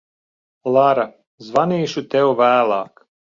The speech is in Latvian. Lara, zvanīšu tev vēlāk.